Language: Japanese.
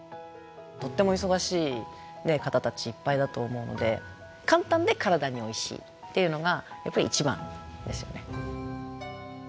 とっても忙しい方たちいっぱいだと思うので簡単で体においしいっていうのがやっぱり一番ですよね。